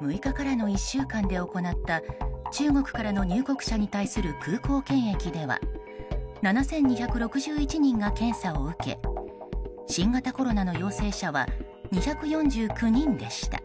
６日からの１週間で行った中国からの入国者に対する空港検疫では７２６１人が検査を受け新型コロナの陽性者は２４９人でした。